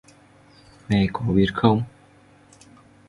Mẹ có biết không?